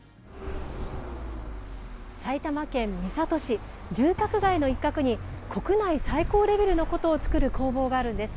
埼玉県三郷市住宅街の一角に国内最高レベルの箏を作る工房があるんです。